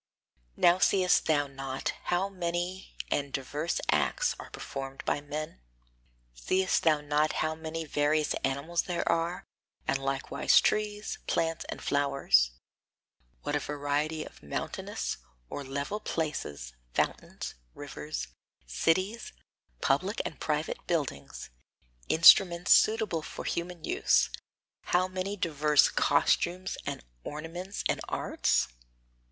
Now seest thou not how many and diverse acts are performed by men? Seest thou not how many various animals there are, and likewise trees, plants and flowers; what a variety of mountainous or level places, fountains, rivers, cities, public and private buildings, instruments suitable for human use; how many diverse costumes and ornaments and arts?